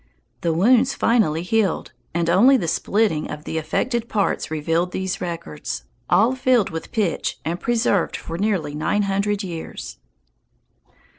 The wounds finally healed, and only the splitting of the affected parts revealed these records, all filled with pitch and preserved for nearly nine hundred years.